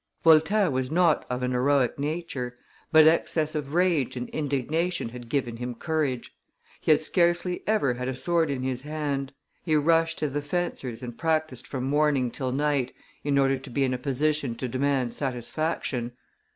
Voltaire was not of an heroic nature, but excess of rage and indignation had given him courage; he had scarcely ever had a sword in his hand; he rushed to the fencers' and practised from morning till night, in order to be in a position to demand satisfaction.